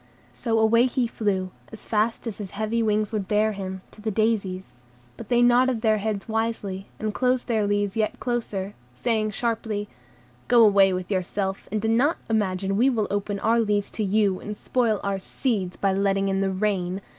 So away he flew, as fast as his heavy wings would bear him, to the daisies; but they nodded their heads wisely, and closed their leaves yet closer, saying sharply,— "Go away with yourself, and do not imagine we will open our leaves to you, and spoil our seeds by letting in the rain.